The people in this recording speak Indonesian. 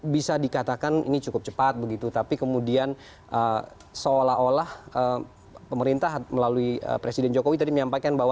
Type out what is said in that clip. bisa dikatakan ini cukup cepat begitu tapi kemudian seolah olah pemerintah melalui presiden jokowi tadi menyampaikan bahwa